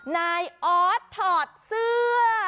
นายออสถอดเสื้อ